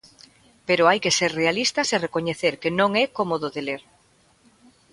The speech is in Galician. Pero hai que ser realistas e recoñecer que non é cómodo de ler.